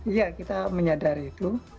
ya kita menyadari itu